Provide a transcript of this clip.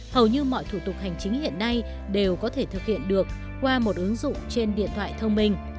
hầu như mọi thủ tục hành chính hiện nay đều có thể thực hiện được qua một ứng dụng trên điện thoại thông minh